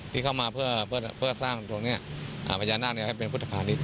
ที่เข้ามาเพื่อสร้างตรงเนี่ยอาพญานาคต์เนี่ยให้เป็นพุทธภาษณ์นี้